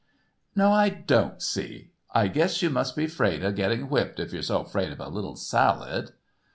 "No, I don't see. I guess you must be 'fraid of getting whipped if you're so 'fraid of a little salad."